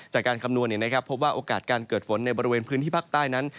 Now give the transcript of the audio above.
จากการคำนวณเนี่ยนะครับพบว่าโอกาสการเกิดฝนในบริเวณพื้นที่ภาคใต้นั้น